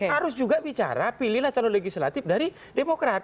harus juga bicara pilihlah calon legislatif dari demokrat